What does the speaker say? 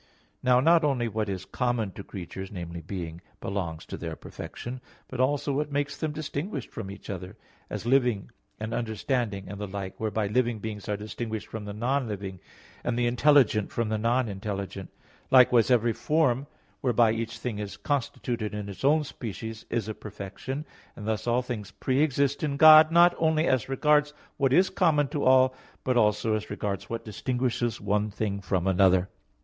Now not only what is common to creatures viz. being belongs to their perfection, but also what makes them distinguished from each other; as living and understanding, and the like, whereby living beings are distinguished from the non living, and the intelligent from the non intelligent. Likewise every form whereby each thing is constituted in its own species, is a perfection; and thus all things pre exist in God, not only as regards what is common to all, but also as regards what distinguishes one thing from another.